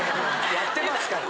やってますから。